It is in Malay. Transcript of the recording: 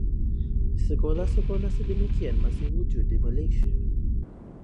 Sekolah-sekolah sedemikian masih wujud di Malaysia.